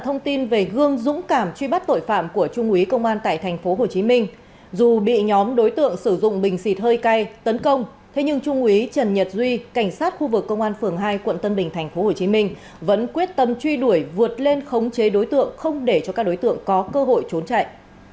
thông tin về gương dũng cảm truy bắt tội phạm của trung úy công an tại tp hcm dù bị nhóm đối tượng sử dụng bình xịt hơi cay tấn công thế nhưng trung úy trần nhật duy cảnh sát khu vực công an phường hai quận tân bình tp hcm vẫn quyết tâm truy đuổi vượt lên khống chế đối tượng không để cho các đối tượng có cơ hội trốn chạy